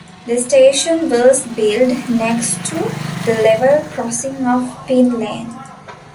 The station was built next to the level crossing of Pinn Lane.